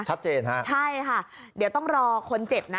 ชัดเจนฮะใช่ค่ะเดี๋ยวต้องรอคนเจ็บนะ